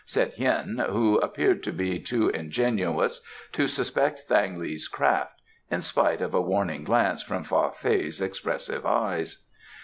said Hien, who appeared to be too ingenuous to suspect Thang li's craft, in spite of a warning glance from Fa Fei's expressive eyes.